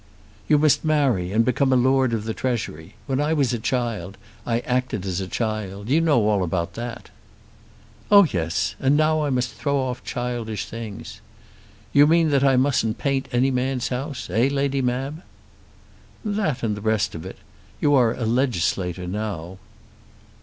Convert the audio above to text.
"You must marry, and become a lord of the Treasury. When I was a child I acted as a child. You know all about that." "Oh yes. And now I must throw off childish things. You mean that I mustn't paint any man's house? Eh, Lady Mab." "That and the rest of it. You are a legislator now."